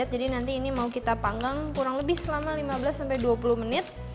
jadi nanti ini mau kita panggang kurang lebih selama lima belas dua puluh menit